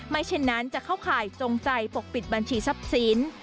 เช่นนั้นจะเข้าข่ายจงใจปกปิดบัญชีทรัพย์สิน